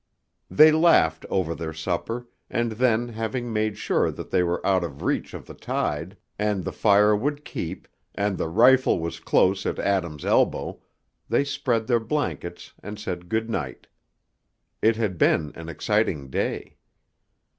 They laughed over their supper, and then having made sure that they were out of reach of the tide, and the fire would keep, and the rifle was close at Adam's elbow, they spread their blankets and said "good night." It had been an exciting day.